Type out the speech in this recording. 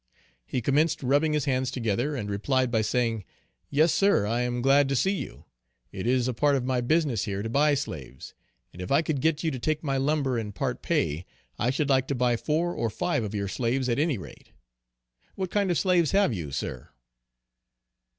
He commenced rubbing his hands together, and replied by saying: "Yes sir, I am glad to see you. It is a part of my business here to buy slaves, and if I could get you to take my lumber in part pay I should like to buy four or five of your slaves at any rate. What kind of slaves have you, sir?"